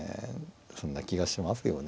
そんな気がしますよね。